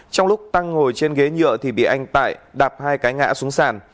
trong lúc tăng ngồi trên ghế nhựa thì bị anh tại đạp hai cái ngã xuống sàn